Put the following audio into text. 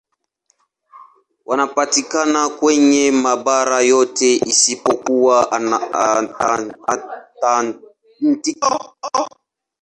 Wanapatikana kwenye mabara yote isipokuwa Antaktiki.